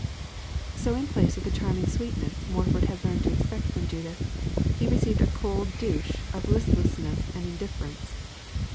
So in place of the charming sweetness Morford had learned to expect from Judith, he received a cold douche of listlessness and indifference.